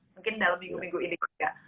mungkin dalam minggu minggu ini juga